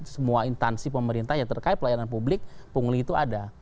semua intansi pemerintah yang terkait pelayanan publik pungli itu ada